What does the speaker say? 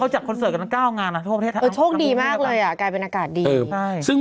ช่วงประเทศอ่างผู้เลือกช่วงสำหรับที่ที่เลือก